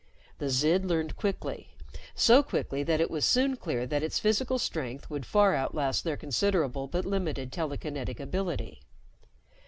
The Zid learned quickly, so quickly that it was soon clear that its physical strength would far outlast their considerable but limited telekinetic ability.